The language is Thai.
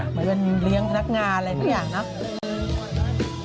เหมือนเป็นเลี้ยงพนักงานอะไรสักอย่างเนอะ